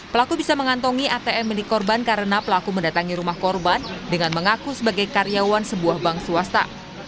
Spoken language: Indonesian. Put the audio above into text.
pelaku bisa mengantongi atm milik korban karena pelaku mendatangi rumah korban dengan mengaku sebagai karyawan sebuah bank swasta